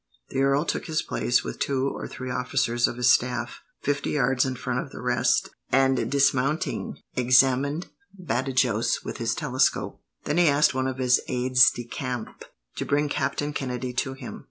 The earl took his place with two or three officers of his staff, fifty yards in front of the rest, and, dismounting, examined Badajos with his telescope. Then he asked one of his aides de camp to bring Captain Kennedy to him.